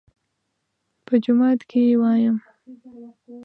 _په جومات کې يې وايم.